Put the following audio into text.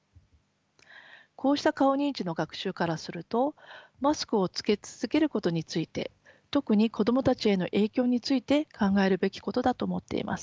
こうした顔認知の学習からするとマスクを着け続けることについて特に子供たちへの影響について考えるべきことだと思っています。